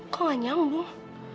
kok gak nyambung